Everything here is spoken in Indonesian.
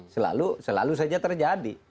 selalu selalu saja terjadi